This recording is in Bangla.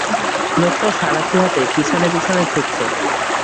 লোকটাও সাঁড়াশি হাতে পিছনে পিছনে ছুটছে।